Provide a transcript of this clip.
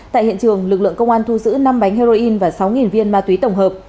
tại hiện trường lực lượng công an thu giữ năm bánh heroin và sáu viên ma túy tổng hợp